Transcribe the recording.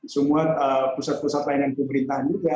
semua pusat pusat lain yang diperintahkan juga